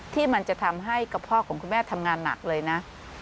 ที่มันจะทำให้กระเพาะของคุณแม่ทำงานหนักเลยนะ